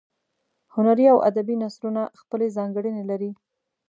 هنري او ادبي نثرونه خپلې ځانګړنې لري.